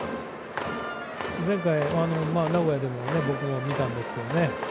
前回、名古屋でも見たんですけどね。